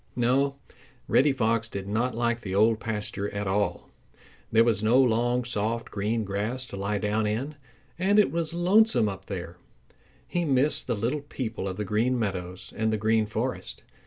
No, Reddy Fox did not like the Old Pasture at all. There was no long, soft green grass to lie down in. And it was lonesome up there. He missed the little people of the Green Meadows and the Green Forest.